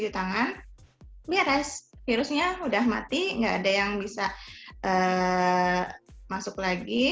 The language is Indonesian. abis buka makanan abis buka kotaknya itu kita cuci tangan beres virusnya udah mati gak ada yang bisa masuk lagi